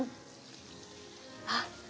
あっ。